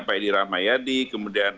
pak edi rahmayadi kemudian